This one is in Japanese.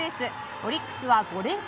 オリックスは５連勝。